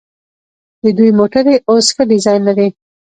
د دوی موټرې اوس ښه ډیزاین لري.